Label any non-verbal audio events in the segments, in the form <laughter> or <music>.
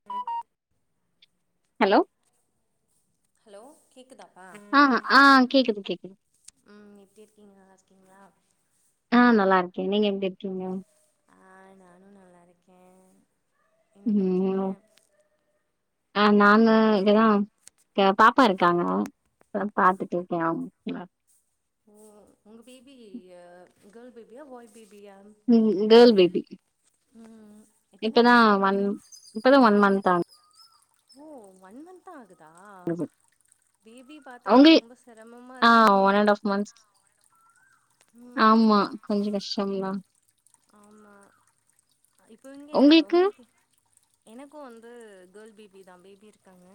<inaudible> Hello hello கேக்குதாப்பா ஆ ஆ கேக்குது கேக்குது ம் எப்டி இருக்கீங்க நல்லா இருக்கீங்களா ஆ நல்லா இருக்கே நீங்க எப்டி இருக்கீங்க ஆ நானு நல்லா இருக்கே என்ன ம் பண்றீங்க ஒ ஆ நாங்க இதுதா கே பாப்பா இருக்காங்க அ பாத்துட்டு இருக்கே ஆம் மா ஓ உங்க பேபிய கேர்ள் பேபியா பாய் பேபியா கேர்ள் பேபி ம் எத்தன இப்பதா வயசு இப்பதா ஒன் மந்த ஆ ஓ ஒன் மந்த தா ஆகுதா ஆகுது பேபி உங்க பாத்துக்குறது ரொம்ப சிரமமா ஆ இருக்குமே ஒன் அண்ட் மந்த்ஸ் ம் ஆமா ம் கொஞ்ச கஷ்டம்தா ஆமா இப்போ இங்க உங்களுக்கு உங்ளுக்கு எனக்கு வந்து கேர்ள் பேபி தா பேபி இருக்காங்க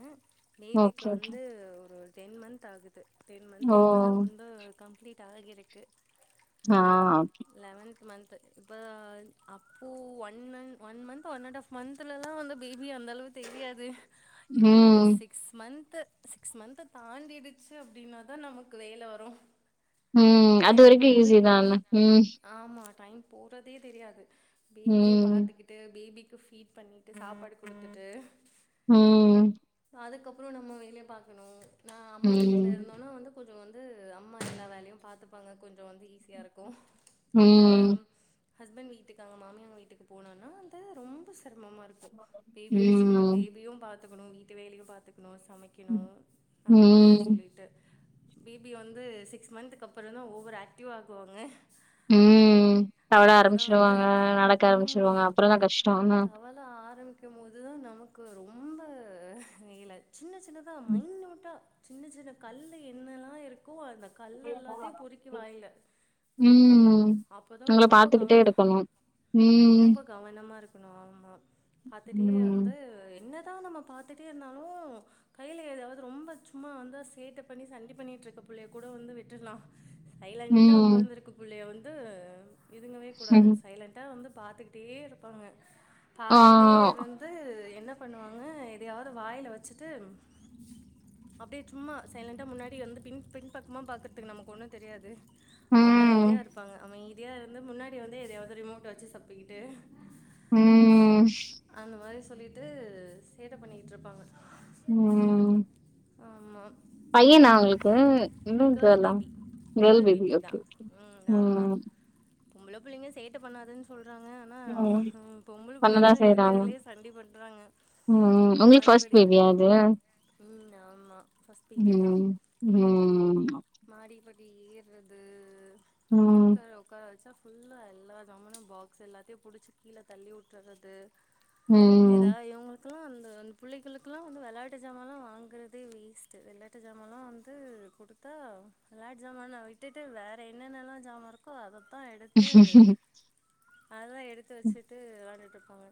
ஓகே பேபிக்கு ஓகே வந்து ஒரு டென் மந்த் ஆகுது டென் ஓ மந்த்து இப்போ தா ஒன்டு கம்ப்ளீட் ஆகியிருக்கு ஆம் லெவன்த் மந்த் இப்ப அப்பு one month one month one and half மந்த்லலா வந்து பேபி அந்தளவு தெரியாது இப்போ ஒரு ம் சிக் ஸ் மந்த் சிக்ஸ் மந்த்த தாண்டிடுச்சி அப்டின்னாதா நமக்கு வேல வரு ம் டைம் அதுவரைக்கு ஈசி போற தான ம் ஆமா டைம் போறதே தெரியாது பேபிய ம் பாத்துக்கிட் ட்டு பேபிக்கு ஃபீட் பண்ணிட்டு சாப்பாடு குடுத்துட்டு ம் அதுக்கப்ரோ நம்ம வேலய பாக்கணு நா அம்மா வீட் ல ம் இருந்தோனா வந்து கொஞ்சோ வந்து அம்மா எல்லா வேலையு பாத்துப்பாங்க கொஞ்ச வந்து ஈஸியா இருக்கு அங்க ம் ஹஸ்பண்ட் வீட்டுக்கு அங்க மாமியாங்க வீட்டுக்கு போனோனா அந்த ரொம்ப செரமமாக இருக் பேபி வச்சிக்கிட்டு ம் பேபியு பாத்துக்குனு வீட்டு வேலையு பாத்துக்குனு சமைக் க்கனு அந்த மாதிரி ம் சொல்லிட்டு பேபி வந்து சிக்ஸ் மந்த்க்கு அப்ரோதா ஓவர் ஆக்டிவ் ஆகுவாங்க ம் தவள அப்போதா வந்து ஆரம்பிச்சிருவாங்க நடக்க உம் ஆரம்பிச்சிருவாங்க அப்புறந்தா கஷ்டோ ஆனா தவால் இத ஆரம்பிக்கு போது தா நமக்கு ரொம்ப வேல சின்ன சின்னதா மைனுட்டா சின்ன சின்ன கல் என்னெலா இருக்கோ அந்த கல் எல்லாத்தை பொறிக்கி வாயில ம் போட்டுப்பாங்க ம். அப்பதா உங்கள ரொம்ப பாத்துக்கிட்டே கவன இருக்கணு ம் ரொம்ப கவனமா இருக்கணு ஆமா பாத்துட்டே ம் வந்து என்னத் இதா நம்ம பாத்துட்டே இருந்தாலு கையில ஏதாது ரொம்ப சும்மா வந்தா சேட்ட பண்ணி சண்டி பண்ணிட்டு இருக்க பிள்ளைய கூட வந்து விட்றுலா சைலண்டா ம் உக்காந்து இருக்கு பிள்ளைய வந்து இதுங்கவே கூடாது ம் சைலண்டா வந்து பாத்துக்கிட் தே இருப்பாங்க ஆ பாத்துட்டே இருந் து என்ன பண்ணுவாங்க எதயாது வாயில வச்சிட்டும் அப்டியே சும்மா சைலண்டா முன்னாடி வந்து பின் பின் பக்கமா பாக்குறதுக்கு நமக்கு ஒன்னு தெரியாது ம் அமைதியா இருப்பாங்க அமைதியா இருந்து முன்னாடி வந்து எதையாது ரிமோட் வச்சி சப்பிக்கிட்டு உம் அந்த மாரி சொல்லிட்டு சேட்ட பண்ணிட்டுருப்பாங்க ம் ஆமா பையனா அததுதா உங்களுக்கு இல்ல கேள் கேர்ளா பேபி கேர்ள் கேள் பேபி தா ஓகே ம் ஆமா பொம்பள பிள்ளங்க சேட்ட பண்ணாதுன்னு சொல்றாங்க ஆ ம் ஹம் பொம்பள பண்ணதா பிள்ளங்க தா செய்றாங்க இருக்கற்லே சண்டி பண்றாங்க ம் உங்ளுக்கு ஃபர்ஸ்ட் பேபியா இது ம் ஆமா ஃபஸ்ட் பேபி தா உம் மா மாடிபடி ஏற்றது ம் பக்கதுல வொக்கார வச்சா ஃபுல்லா எல்லா ஜாமானு பாக்ஸ் எல்லாத்தையு பிடிச்சி கீழ தள்ளி வுட்டுறது ம். ஏதாது இவங்களுக் <unintelligible> அந்த அந் புள்ளகளுக்கெலா வந்து வெளாட்டு ஜாமாலா வாங்குறதே வேஸ்ட்டு வெளாட்டு ஜாமாலா வந்து குடுக் தௌ வேலடஜாமான விட்டுட்டு வேற என்னென்னல்லா ஜாமா இருக் இப்ப அததா எடுத்து அததா எடுத்து வச்சுட்டு வெளாண்டுட்டு இருப்பாங்க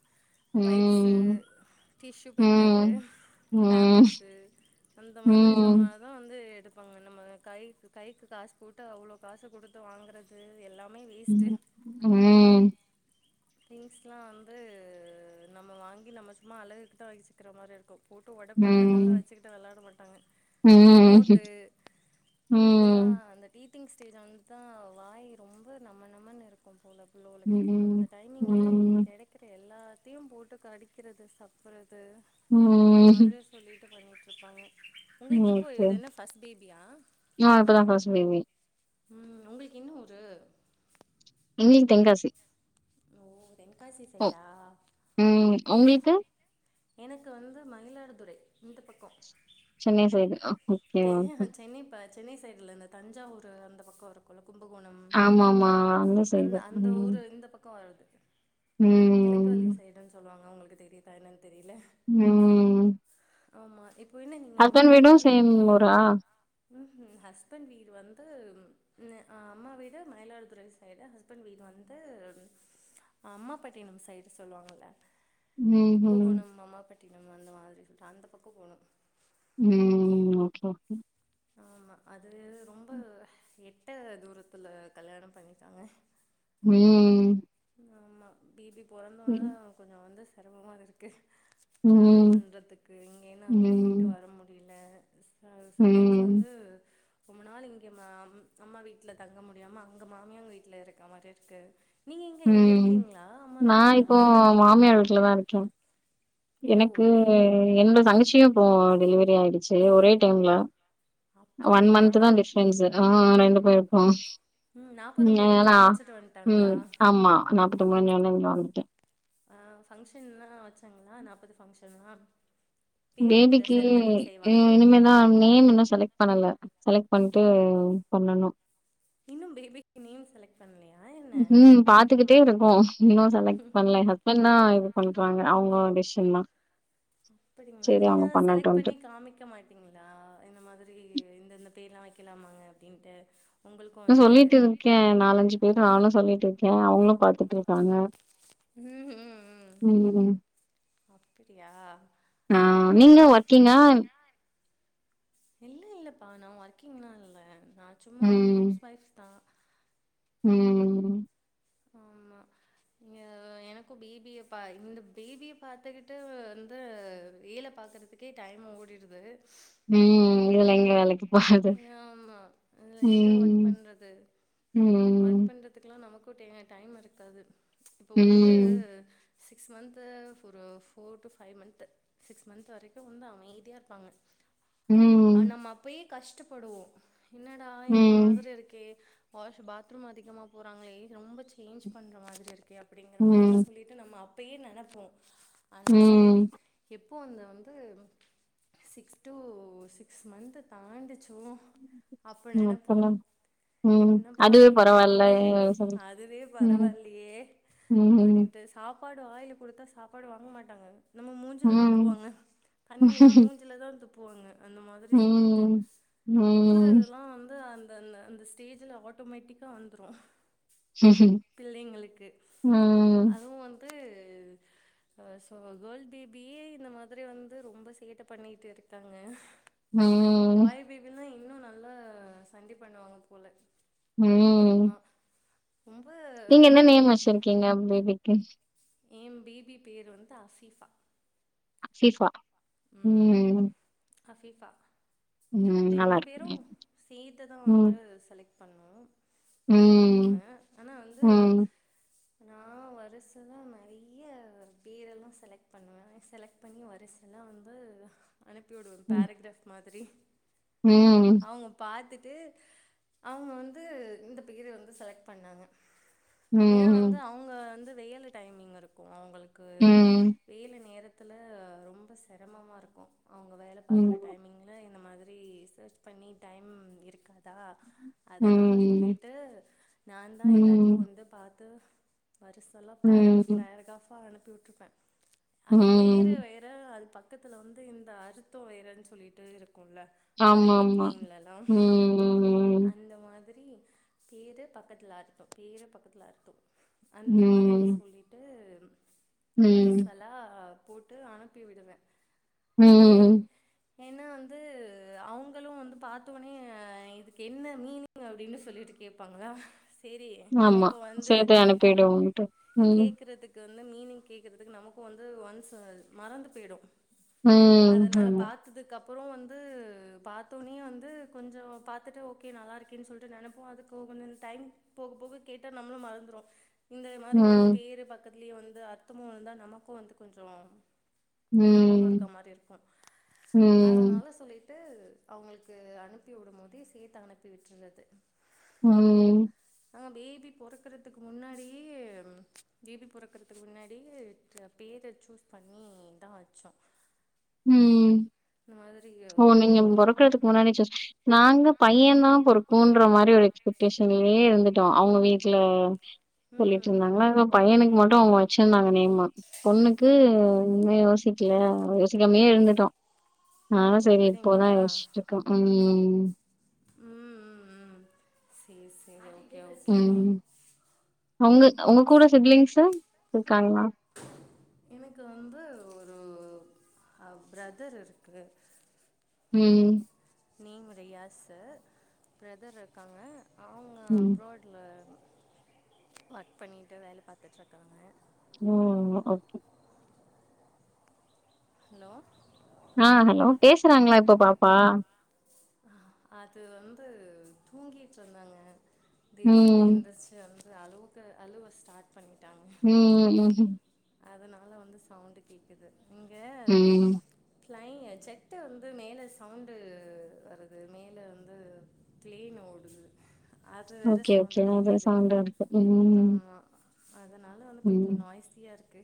ம். வைப்ஸு ம். டிஷ்யூ பேப்பரு ம். ம். பேம்பஸ்ஸு அந்த மாரி ம். ஜமானா அது வந்து எடுப்பாங்க நம்ம கை கைக்கு காசு போட்டு அவ்ளவு காசு கொடுத்து வாங்கறது எல்லாமே வேஸ்ட் ம் ம். திங்ஸ்லா வந்து நம்ம வாங்கி நம்ம சும்மா அழகுக்குதா வச்சுகிற மாரி இருக்கு போட்டு ஒடப்பாகள தவிர ம். வச்சுக்கிட்டு வெளாட மாட்டாங்க ம். ரிமோட்டு இதெல்லா அந்த டீட்டிங் ஸ்டேஜ் வந்துதா வாய் ரொம்ப நம நமநமன்னு இருக்கு போல நூலுக்கு அந்த ம். டைமிங்ல இது ம். கெடக் இருக்ற எல்லாத்தையு போட்டு கடிக்கிறது சப்புறது அந்த ம். மாரி சொல்லிட்டு பண்ணிட்டு இருப்பாங்க உங்களுக்கு இப்போ இது என்ன ஃபஸ்ட் பேபியா ஆ இப்பதா ஃப்ஸ்ட் பேபி ம் உங்களுக்கு என்ன ஊரு எங்களுக்கு தென்காசி ஓ தென்காசி ஓ! சைடா ம் உங்களுக்கு எனக்கு வந்து மயிலாடுதுறை இந்த பக்க சென்னை சைடு ஆ தெரியல சென்னைப்ப சென்னை சைடுல இந்த தஞ்சாவூர் அந்த பக்க இருக்கு கொல கும்பகோண ஆமாமா. அந்த சைடு. அந்த ம். ஊரு இந்த பக்க வர்றது கெழக்குவழி ம். சைடுன்னு சொல்லுவாங்க உங்களுக்கு தெரியதா என்னனு தெரியல ம் ஆமா இப்ப என்ன நீங்க அம்மா ஹஸ்பண்ட் வீட்டுல தான <unintelligible> ம்ம் ஹஸ்பண்ட் வீடு வந்து இல்ல அம்மா வீடு மயிலாடுதுறை சைடு ஹஸ்பண்ட் வீடு வந்து அம்மா பட்டிண சைடு சொல்லுவாங்கல ம்ஹ்ம். கும்பகோணம் அம்மாப்பட்டின அந்த மாரி அந்த பக்க போணு ம் ஓகே ஓகே ஆமா அது ரொம்ப எட்ட தூரத்துல கல்யாண பண்ணிடாங்க ம் ஆமா பேபி பொறந்தோன ம். கொஞ்சோ வந்து செரமமா இருக்கு ட்ராவல் ம். பண்ணுறதுக்கு இங்கேனு அங்கே போய்ட்டு ம். வர முடியல ஹ சம்டைம்ஸ் ம். வந்து ரொம்ப நாள் இங்க அம் அம்மா வீட்டுல தங்க முடியாம அங்க மாமியாங்க வீட்டுல இருக்க மாரி இருக்கு நீங்க எங்க இங்கே ம். இருக்கீங்களா அம்மா நான் வீட்டிலா இப்போ மாமியார் வீட்டுல தா இருக்கே ஓ எனக்கு ரெண்டு தங்கச்சியு இப்ப டெலிவரி ஆயிடுச்சு ஒரே டைம்ல ஒன் அப்படியா மந்த் தா டிப்ரென்ஸ் ஆஹ் ரெண்டு பேருக்கு நாப்பது ம் முடிஞ்சு அழைச்சிட்டு <unintelligible> ம் வந்ட்டாங்களா ஆமா நாற்பத்தி மூணு நேரஇங்க வந்துட்டே ஆ ஃபங்க்ஷன்லா வச்சாங்களா நாப்பது ஃபங்க்ஷன்லா பேர் வைக்கிற பேபிக்கு செரமனி செய்வாங்களே இனிமேதா நேம் இன்னோ செலக்ட் பண்ணல செலக்ட் பண்ட்டு பண்ணணு இன்னு பேபி நேம் செலக்ட் பண்ணலயா ம் பாத்துக்கிட்டே இருக்கோ இன்னு செலக்ட் பண்ல எ ஹஸ் பண்த இது பண்றாங்க அவுங்க டிசிஷன் தா அப்டிங்களா நீங்க செலக்ட் பண்ணட்டுன்ட்டு பண்ணி காமிக்க மாட் டிங்களா இந்த மாதிரி இந்தந்தபேர்ல்லா வைக்கலாமாங்க அப்டின்ட்டு உங்களுக்கு வந்து சொல்லிட்டு இருக்கே நாலஞ்சு பேர் நானு சொல்ட்டு இருக்கே அவுங்களு பாத்துட்டு இருக்காங்க ம் ம் ம் அப்புடியா ஆ ஆமா நீங்க ஒர்க்கிங்கா இல்ல இல்லப்பா நா ஒர்க்கிங்னா இல்ல நா சும்மா ம் ஹவுஸ் ஒயஃப் தா ம் ஆமா இங்க எனக்கு பேபிய பாக் இந்த பேபிய பாத்துக்கிட்டு வந்து வேல பாக்கறதுக் கே டைம் ஓடிடுது ம் இதுல எங்க வேலைக்கு போறத ஆமா இதுல எங்க ஒர்க் ம் பண்றது ஒர்க் ம் பண்றதுக்குல்லா நமக்கு டைம் இருக்காது இப்போ வந்து ம் சிக்ஸ் மந்த்து ஒரு four to five month six month வரைக்கு வந்து அமைதியா இருப்பாங்க ம் ஆ நம்ம அப்பயே கஷ்டப்படுவோ என்னடா இந்த ம் மாதிரி இருக்கே வாஷ் பாத் ரூம் அதிகமா போறாங்களே ரொம்ப சேஞ்ச் பண்ற மாதிரி இருக்கே அப்டிங்க மார்லா ம் சொல்லிட் டு நம்ம அப்பயே நெனைப்போ ஆனா ம் எப்போ அந்த வந்து சிக்ஸ் டூ சிக்ஸ் மத்து தாண்டிச்சு அப்ப நெனைப்போ அப்பல்லா ம் என்னப்பா அதுவே இ ப்போ பரவால்ல வந்து சொல்லு. அதுவே ம் பரவால்லயே ம் ம் அப்டின்ட்டு சாப்பாடு வாயில குடுத்தா சாப்பாடு வாங்க மாட்டாங்க நம்ம மூஞ்சில ம் துப்புவாங்க தண்ணியலா மூஞ்சில தா துப் புவாங்க அந்த மாதிரி சொல்லிட்டு ம் ம் துப்புறதெல்லா வந்து அந் தஅந்த ஸ்டேஜ்ல ஆட்டோமேட்டிக்கா வந்துரு பிள்ளைங்களுக்கு அதுவு வந்து ஆ சோ கேர்ள் பேபியே இந்த மாதிரி வந்து ரொம்ப சேட்ட பண்ணிகிட்டு இருக்காங்க ம் பாய் பேபிலா இன்னு நல்லா சண்டி பண்ணுவாங்க போல ம் ஆமா ரொம்ப நீங்க என்ன நேம் வச்சிருக்கீங்க பேபிக்கு எ பேபி பேரு வந்து அசீஃபா சிஃபா ம் அசிஃபா ம். நல்லா ரெண்டு இருக்குங்க. பேரும்சேத்து தா ம். வந்து செலக்ட் பண்ணோ பேபி நேமு ம். ஆனா வந்து ம். நான் வருச நா நெறைய பேரெல்லா செலக்ட் பண்ணுவே செலக்ட் பண்ணி வரிசெல்லா வந்து அனுப்பிவிடுவே ம். பேரகிராஃப் மாதிரி ம். அவுங்க பாத்துட்டு அவுங்க வந்து இந்த பேரை வந்து செலக்ட் பண்ணாங்க ஏன்னா வந்து ம். அவுங்க வந்து வேயிலை டைமிங் இருக்கும் அவங்களுக்கு ம். வேல நேரத் துல ரொம்ப சிரமமா இருக்கும் அவுங்க வேலை பாக்குற ம். டைமிங்ல இந்த மாதிரி த்தே ரிசர்ச் பண்ணி டைம் இருக்காதா அதனால ம். சொல்லிட்டு நா தா எல்லாத்தையு ம். வந்து பாத்து வரிசல்லா பேரகிராஃப் ம். பேரகிராஃபாக அனுப்பி விட்டுருப்பே அது பேரு ம். வேற அது பக்கத்துல வந்து இந்த அறுத்தம் வேறன்னு சொல்லிட்டு இருக்குல்ல அரபிக் ஆமாமா. நேம்லல்லா ம். அந்த மாதிரி பேரு பக்கத்துல அர்த்தம் பேரு பக்கத்துல அர்த்தம் அந்த மாதிரி ம். சொல்லி ட்டு ம். வரிசல்லா போட்டு அனுப்பி விடுவே ஏ ம். ஏன்னா வந்து அவுங்களு வந்து பாத்தோனே இதுக்கு என்ன மீனிங் அப்டின்னு சொல்லிட்டு கேப்பாங்ளா சேரி ஆமா. நமக்கு வந்து சேர்த்து அனுப்பிடுவோன்ட்டு. <inaudible> ம். கேக்குறதுக் கு வந்து மீனிங் கேக்குறதுக்கு நமக்கு வந்து ஒன்ஸ் மறந்து போயிடும் ம். அதனால ஆமா. பாத்ததுக்கு அப்புறோ வந்து பாத்தோனே வந்து கொஞ்சோ பாத்துட்டு ஓக்கே நல்லாயிருக்கேன்னு சொல்ட்டு நினைப்போ அதுக்கு கொஞ்சோ டைம் போக போக கேட்டா நம்மளு மறந்துருவோ இந்த மாறி வந்து ம். பேரு பக்கத்துலயே வந்து அர்த்தமு இருந்தா நமக்கும் வந்து கொஞ்சோ ஞாபகம் இருக்க ம். மாறி இருக்கும் ம். அதனால சொல்லி ட்டு அவுகங்ளுக்கு அனுப்பி விடும் போதே சேத்து அனுப்பி விட்டுற்றது உம் ஆ பேபி பொறக்கறதுக்கு முன்னாடியே பேபி பொறக்கறதுக்கு முன்னாடியே பேரை சூஸ் பண்ணி தா வச்சோ உம் இந்த மாதிரி ஓ நீங்க பா பொறக்கறதுக்கு முன்ன நெனச்சோ நாங்க பைய தா பொறக்கு ன்ற மாறி ஒரு எக்ஸ்படேஷன்லயே இருந்துட்டோ அவுங்க வீட்ல சொல்லிட்டு ம் இருந்தாங்ளா எதோ பையனுக்கு மட்டு அவங்க வச்சிருந்தாங்க நேமு பொண்ணுக்கு அப் இன்னுமே யோசிக்கல சிக்காமயே இருந்துட்டோ ஆ சேரி இப்பதா அப்படிங்களா யோசிட்டுருக்கோ உம் உம் உம் உம் சேர் சேரி ஓகே ம் உங்கக் உங்க கூட சிப்லிங்ஸ்சு இருக்காங்ளா எனக்கு வந்து ஒரு அ பிரதர் இருக்கு ம் நேம் ரியாஸ்சு பிரதர் இருக்காங்க அவங்க ம் அப்ராட் ல ஒர்க் பண்ணிட்டு வேலை பாத்துட்ருக்காங்க உம் ஓகே ஹலோ ஆ ஹலோ பேசறாங்களா இப்போ பாப்பா அ அது வந்து தூங்கிட்யிருந்தங்க திடீர்னு ம் எந்தச்சு வந்து அழவுக்கு அழுவ ஸ்டார்ட் பண்ணிட்டாங்க உம் உம் உம் உம் அதனால வந்து சவுண்ட்டு கேக்குது இங்க ம் க்லை செட்டு வந்து மேல சவுண்ட்டு வருது மேல வந்து கிளேன் ஓடுது அது வேற ஓகே ஓகே சவுண்ட்டு அது கேக்குது சவுண்டா இருக்கு. ம் ஆமா அதனால வந்து கொஞ்சோ ம். நாய்ஸியா இருக்கு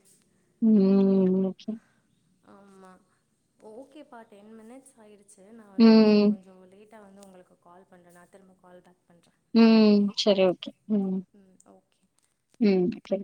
ம் ம்ம் ஓகே ஆமா ஓகேப்பா டென் மினிட்ஸ் ஆயிருச்சு நா வந்து ஒரு ம். கொஞ்சோ லேட் டா வந்து உங்களுக்கு கால் பண்ற நா திரும்ப கால் பேக் பண்ற ம் செரி ஓகே ம் ம் ஓகே